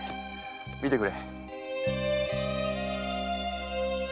見てくれ。